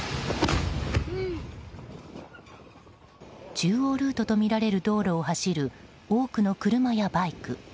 中央ルートとみられるルートを走る多くの車やバイク。